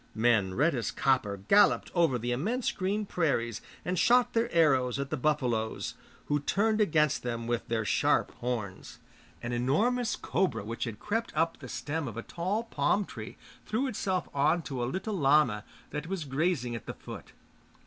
Men red as copper galloped over the immense green prairies and shot their arrows at the buffaloes, who turned against them with their sharp horns. An enormous cobra which had crept up the stem of a tall palm tree threw itself on to a little llama that was grazing at the foot.